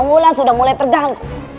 namun kanjeng ratu sudah mulai terganggu